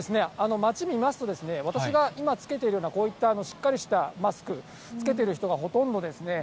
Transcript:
街を見ますと、私が今、着けているような、こういったしっかりしたマスク、つけてる人がほとんどですね。